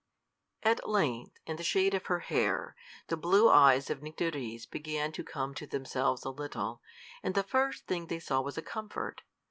At length, in the shade of her hair, the blue eyes of Nycteris began to come to themselves a little, and the first thing they saw was a comfort.